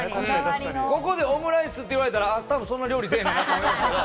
ここでオムライスって言われたら、多分そんな料理せえへんなって。